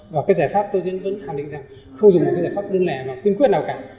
và giải pháp tôi vẫn khẳng định rằng không dùng một giải pháp đơn lẻ và quyên quyết nào cả